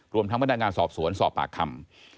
รวมทั้งพนักงานสอบสวนสอบปากคำ